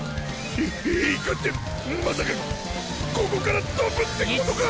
い「いく」ってまさかここから飛ぶってことか？